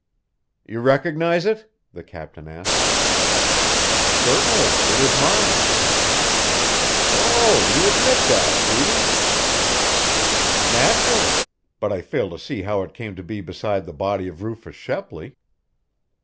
"You recognize it?" the captain asked. "Certainly; it is mine." "Oh, you admit that, do you?" "Naturally. But I fail to see how it came to be beside the body of Rufus Shepley."